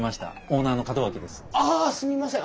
あすみません！